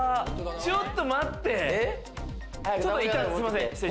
ちょっと待って！